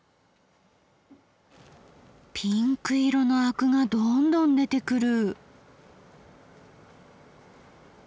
ピンク色のアクがどんどん出てくる。